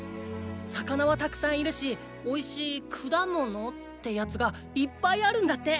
魚は沢山いるしおいしいクダモノ？ってやつがいっぱいあるんだって。